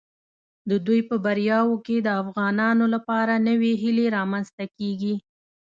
د دوی په بریاوو کې د افغانانو لپاره نوې هیله رامنځته کیږي.